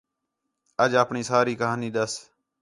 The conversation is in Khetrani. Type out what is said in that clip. اَج اپݨی ساری کہاݨی ݙَس